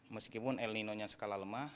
meskipun el nino nya skala lemah